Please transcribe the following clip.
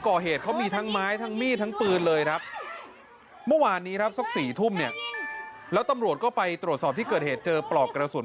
โอ๊ยมันยิ่งปืนยิ่งจริงด้วย